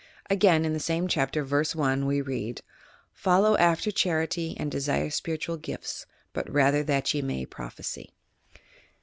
'' Again, in the same Chapter, v. 1, we read: "Follow after charity and desire spiritual gifts, but rather that ye may proph esy."